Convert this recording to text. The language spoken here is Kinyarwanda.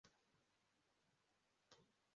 ukomotse hagati muri mwe, muri bene wanyu